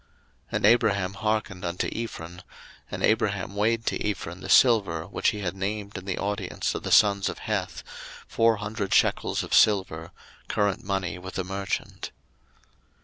01:023:016 And Abraham hearkened unto Ephron; and Abraham weighed to Ephron the silver, which he had named in the audience of the sons of Heth, four hundred shekels of silver, current money with the merchant.